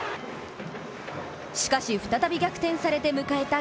しかし再び逆転されて迎えた